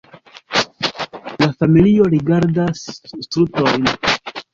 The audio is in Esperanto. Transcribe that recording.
La familio rigardas strutojn: